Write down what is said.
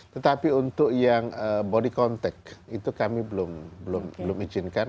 tetapi untuk yang body contact itu kami belum izinkan